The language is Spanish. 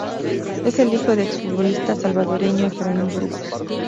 Es el hijo del ex futbolista salvadoreño Efraín Burgos.